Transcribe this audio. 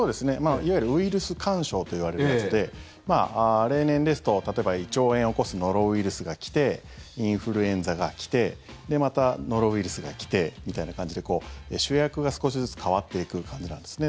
いわゆるウイルス干渉といわれるやつで例年ですと例えば、胃腸炎を起こすノロウイルスが来てインフルエンザが来てまたノロウイルスが来てみたいな感じで主役が少しずつ変わっていく感じなんですね。